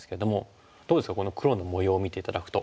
どうですかこの黒の模様を見て頂くと。